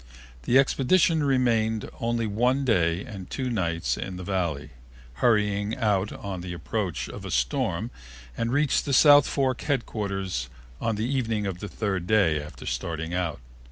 The expedition remained only one day and two nights in the Valley, hurrying out on the approach of a storm and reached the south fork headquarters on the evening of the third day after starting out.